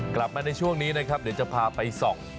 กลับมาในช่วงนี้นะครับเดี๋ยวจะพาไปส่อง